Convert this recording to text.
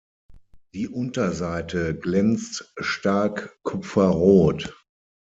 Die Unterseite glänzt stark kupferrot.